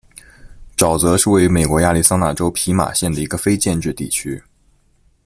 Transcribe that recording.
沼泽是位于美国亚利桑那州皮马县的一个非建制地区。